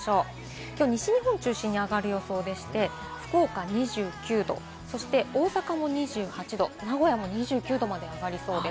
西日本を中心に上がる予想でして、福岡２９度、大阪も２８度、名古屋も２９度まで上がりそうです。